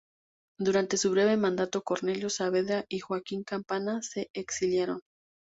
Durante su breve mandato, Cornelio Saavedra y Joaquín Campana se exiliaron.